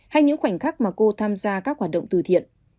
hay những khoảnh khắc mà cô tham gia các hoạt động từ thiện